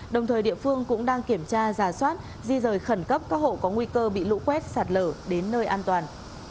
đồng thời địa phương cũng đang kiểm tra giả soát di rời khẩn cấp các hộ có nguy cơ bị lũ quét sạt lở đến nơi an toàn